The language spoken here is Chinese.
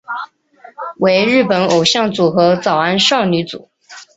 为日本偶像组合早安少女组。